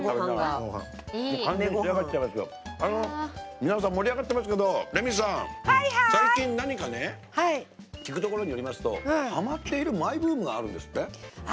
皆さん盛り上がってますけどレミさん、最近何か聞くところによりますとハマっているありますよ！